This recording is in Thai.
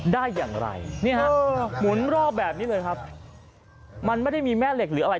ได้อย่างไรนี่ฮะหมุนรอบแบบนี้เลยครับมันไม่ได้มีแม่เหล็กหรืออะไร